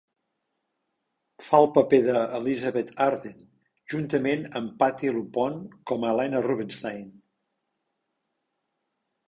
Fa el paper d'Elizabeth Arden, juntament amb Patti LuPone com a Helena Rubinstein.